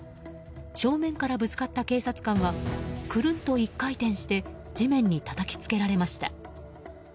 正面からぶつかった警察官はくるんと１回転して地面にたたきつけられました。